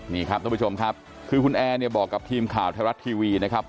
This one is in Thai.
นี่ครับทุกผู้ชมครับคือคุณแอร์เนี่ยบอกกับทีมข่าวไทยรัฐทีวีนะครับ